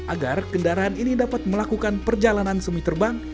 agar kendaraan ini dapat melakukan perjalanan semi terbang